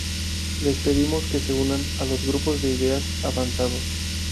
Les pedimos que se unan a los grupos de ideas avanzados.